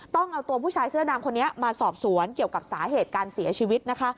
ต้องเอาตัวผู้ชายเสื้อดำคนนี้มาสอบสวนเกี่ยวกับสาเหตุการเสียชีวิตนะคะ